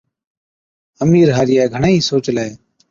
امِير هارِيئَي گھڻَي ئِي سوچلَي،